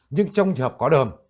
nhưng trong trường hợp có đờm